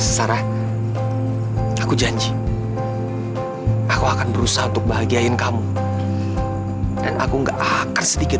sarah aku janji aku akan berusaha untuk bahagiain kamu dan aku enggak akar sedikit